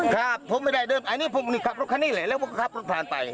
ครับผมไม่ได้เดินอันนี้ผมขับรถข้างนี้เลยแล้วผมขับรถผ่านไป